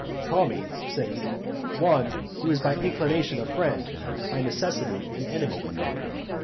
"Call me," said he, "one who is by inclination a friend, by necessity an enemy."